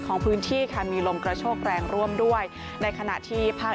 ของพื้นที่ค่ะมีลมกระโชกแรงร่วมด้วยในขณะที่ภาค